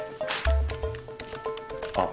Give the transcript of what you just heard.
あっ。